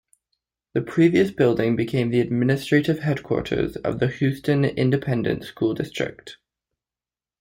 The previous building became the administrative headquarters of the Houston Independent School District.